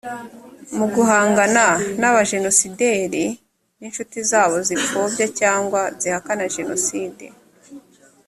mu guhangana n abajenosideri n inshuti zabo zipfobya cyangwa zihakana jenoside